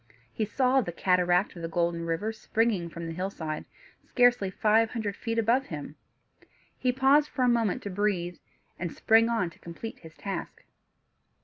He saw the cataract of the Golden River springing from the hillside, scarcely five hundred feet above him. He paused for a moment to breathe, and sprang on to complete his task.